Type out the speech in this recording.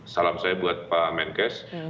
salam saya buat pak menkes